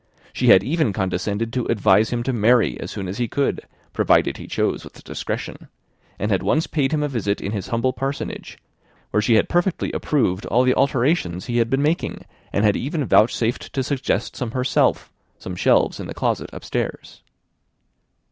She had even condescended to advise him to marry as soon as he could, provided he chose with discretion; and had once paid him a visit in his humble parsonage, where she had perfectly approved all the alterations he had been making, and had even vouchsafed to suggest some herself, some shelves in the closets upstairs.